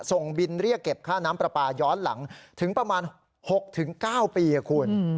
ส่งบินเรียกเก็บค่าน้ำประปาย้อนหลังถึงประมาณหกถึงเก้าปีอ่ะคุณ